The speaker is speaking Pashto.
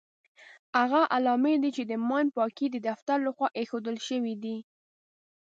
هغه علامې دي چې د ماین پاکۍ د دفتر لخوا ايښودل شوې دي.